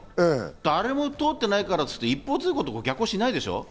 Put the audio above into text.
誰も通ってないからっていって、一方通行でも逆走しないでしょ？